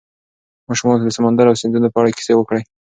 ماشومانو ته د سمندر او سیندونو په اړه کیسې وکړئ.